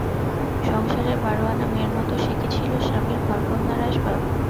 সংসারের বারো-আনা মেয়ের মতো সে কি ছিল স্বামীর ঘরকন্নার আসবাব।